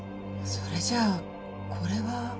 それじゃあこれは。